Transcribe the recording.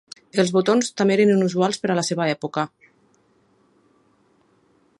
Els botons també eren inusuals per a la seva època.